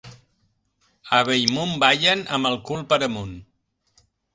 A Bellmunt ballen amb el cul per amunt.